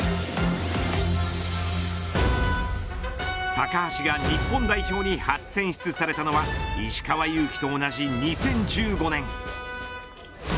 高橋が日本代表に初選出されたのは石川祐希と同じ２０１５年。